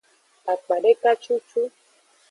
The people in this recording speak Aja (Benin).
Akpadeka cucu.